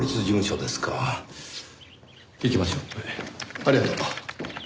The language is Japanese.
ありがとう。